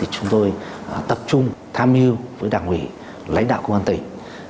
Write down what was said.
chúng tôi tập trung tham mưu với đảng ủy lãnh đạo công an tỉnh